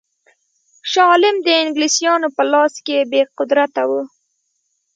شاه عالم د انګلیسیانو په لاس کې بې قدرته وو.